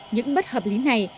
những mất hợp lý này